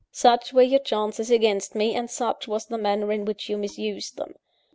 "Such were your chances against me; and such was the manner in which you misused them.